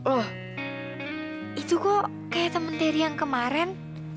oh itu kok kayak temen teri yang kemarin